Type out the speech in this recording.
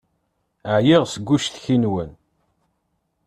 Ɛyiɣ seg ucetki-nwen.